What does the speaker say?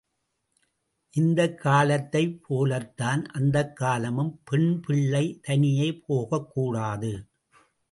இந்தக் காலத்தைப் போலத்தான் அந்தக்காலமும் பெண்பிள்ளை தனியே போகக்கூடாது.